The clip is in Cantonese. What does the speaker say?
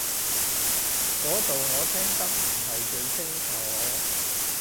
嗰度我聽得唔係幾清楚